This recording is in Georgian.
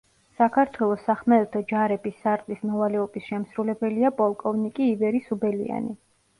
საქართველოს სახმელეთო ჯარების სარდლის მოვალეობის შემსრულებელია პოლკოვნიკი ივერი სუბელიანი.